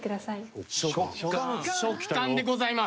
食感でございます。